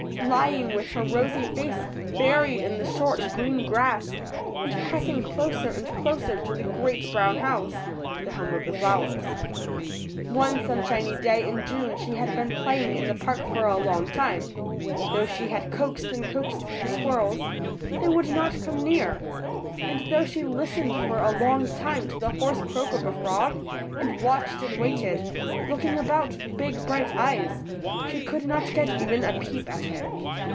lying with her rosy face buried in the short, green grass, and pressing closer and closer to the ^^great brown house, the home of the flowers. One sunshiny day in June she had been playing in the park for a long time. Though she had coaxed and coaxed the squirrels, they would not come near; and though she listened for a long time to the hoarse croak of a frog, and watched and waited, looking about with big, bright eyes, she could not get even a peep at him.